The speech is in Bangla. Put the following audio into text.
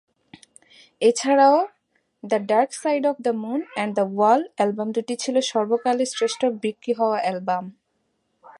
এছাড়াও "the dark side of the moon" এবং "দ্য ওয়াল" অ্যালবাম দুটি ছিল সর্বকালের শ্রেষ্ঠ-বিক্রি হওয়া অ্যালবাম।